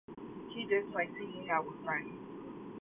He just likes hanging out with his friends.